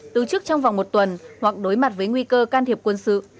từ trước trong vòng một tuần hoặc đối mặt với nguy cơ can thiệp quân sự